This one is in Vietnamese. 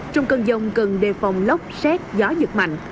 trong cơn dông cần đề phòng lốc xét gió giật mạnh